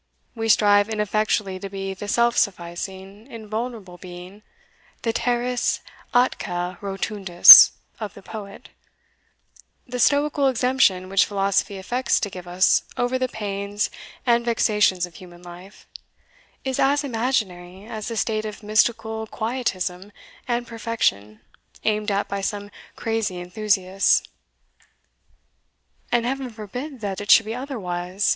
We strive ineffectually to be the self sufficing invulnerable being, the teres atque rotundus of the poet; the stoical exemption which philosophy affects to give us over the pains and vexations of human life, is as imaginary as the state of mystical quietism and perfection aimed at by some crazy enthusiasts." "And Heaven forbid that it should be otherwise!"